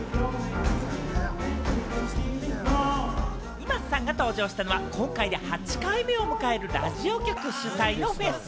ｉｍａｓｅさんが登場したのは今回で８回目を迎えるラジオ局主催のフェス。